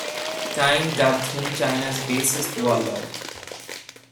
"Time" dubbed him China's "basest warlord".